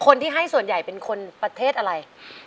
คนที่ให้ส่วนใหญ่เป็นคนประเทศอะไร